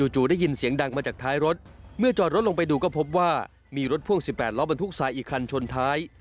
จู่ได้ยินเสียงดังมาจากท้ายรถเมื่อจอดรถลงไปดูก็พบว่ามีรถพ่วง๑๘ล้อบรรทุกทรายอีกคันชนท้าย